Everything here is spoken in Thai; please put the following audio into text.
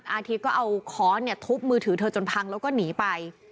อาทิตย์ก็เอาค้อนทุบมือถือเธอจนพังแล้วก็หนีไป